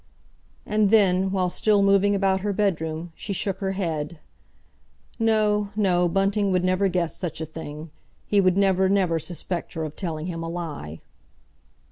And then, while still moving about her bedroom, she shook her head—no, no, Bunting would never guess such a thing; he would never, never suspect her of telling him a lie.